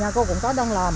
nhà cô cũng có đang làm